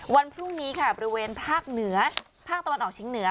วันพรุ่งนี้ค่ะบริเวณภาคเหนือภาคตะวันออกเฉียงเหนือ